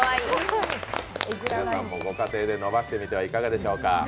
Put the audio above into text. ご家庭で伸ばしてみてはいかがでしょうか。